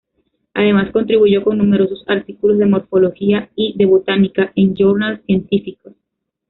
Además contribuyó con numerosos artículos de morfología y de Botánica en journals científicos.